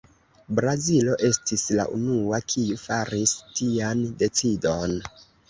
Brazilo estis la unua, kiu faris tian decidon.